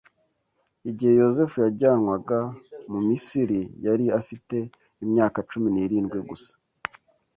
IGIHE Yozefu yajyanwaga mu Misiri yari afite imyaka cumi n,irindwi gusa